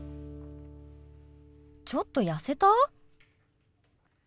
ちょっとやせた？